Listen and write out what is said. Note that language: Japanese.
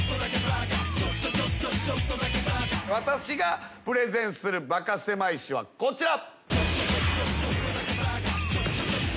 私がプレゼンするバカせまい史はこちら。